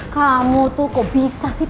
kamu tuh kok bisa sih